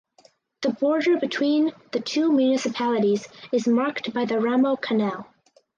The border between the two municipalities is marked by the Ramo canal.